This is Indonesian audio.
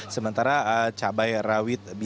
sementara cabai rawit merah ini